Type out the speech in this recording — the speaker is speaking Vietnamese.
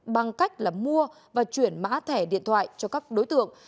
bằng cách là mua và chuyển mã thẻ điện thoại cho các đối tượng